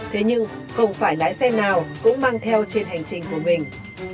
thế nhưng không phải lái xe nào cũng mang theo trên hành trình của mình